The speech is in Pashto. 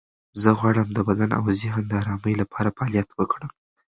زه غواړم د بدن او ذهن د آرامۍ لپاره فعالیت وکړم.